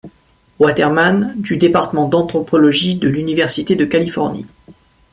Waterman du département d'anthropologie de l'Université de Californie.